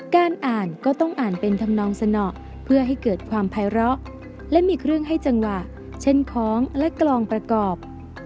การอ่านก็ต้องอ่านเป็นทำนองสนอเพื่อให้เกิดความภัยเลาะและมีเครื่องให้จังหวะเช่นค้องและกลองประกอบ